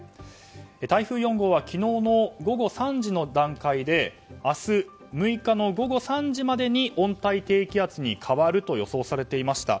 台風４号は昨日の午後３時の段階で明日６日の午後３時までに温帯低気圧に変わると予想されていました。